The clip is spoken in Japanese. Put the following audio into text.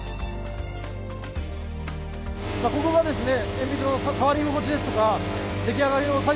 ここがですね